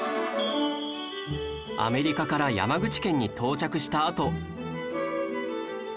アメリカから山口県に到着したあと